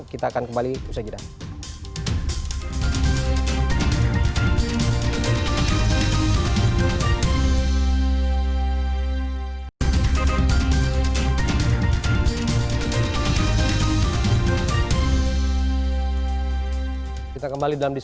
kita akan kembali usai jeda